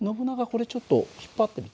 これちょっと引っ張ってみて。